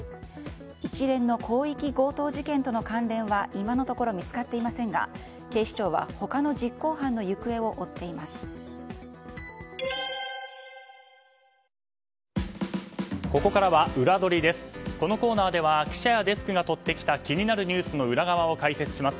一連の広域強盗事件との関連は今のところ見つかっていませんが警視庁は他の実行犯の行方を追っています。